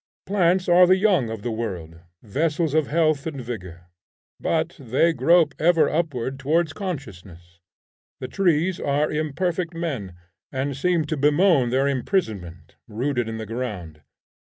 Plants are the young of the world, vessels of health and vigor; but they grope ever upward towards consciousness; the trees are imperfect men, and seem to bemoan their imprisonment, rooted in the ground.